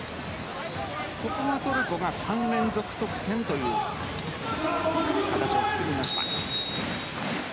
ここはトルコが３連続得点という形をつくりました。